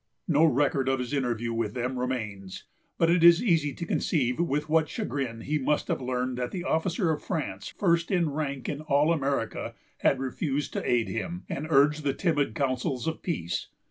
No record of his interview with them remains; but it is easy to conceive with what chagrin he must have learned that the officer of France first in rank in all America had refused to aid him, and urged the timid counsels of peace.